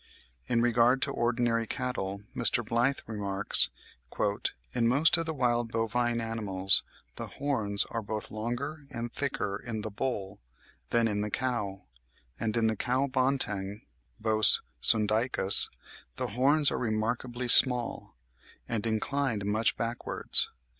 In regard to ordinary cattle Mr. Blyth remarks: "In most of the wild bovine animals the horns are both longer and thicker in the bull than in the cow, and in the cow banteng (Bos sondaicus) the horns are remarkably small, and inclined much backwards.